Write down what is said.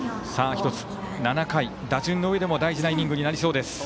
７回、打順のうえでも重要なイニングになりそうです。